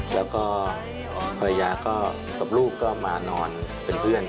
แล้วก็ภรรยาก็กับลูกก็มานอนเป็นเพื่อน